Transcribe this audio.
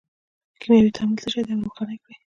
کیمیاوي تعامل څه شی دی او روښانه یې کړئ.